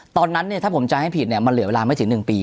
ตอนนั้นถ้าผมจะให้ผิดเนี่ยมันเหลือเวลาไม่ถึง๑ปี